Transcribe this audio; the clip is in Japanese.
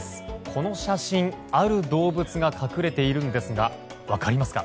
この写真、ある動物が隠れているんですが分かりますか？